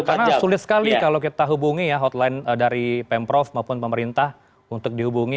karena sulit sekali kalau kita hubungi ya hotline dari pemprov maupun pemerintah untuk dihubungi